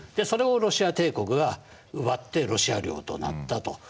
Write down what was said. それをロシア帝国が奪ってロシア領となったと。